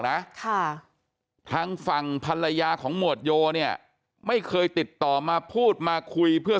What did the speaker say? นะค่ะทางฝั่งภรรยาของหมวดโยเนี่ยไม่เคยติดต่อมาพูดมาคุยเพื่อ